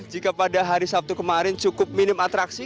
jika pada hari sabtu kemarin cukup minim atraksi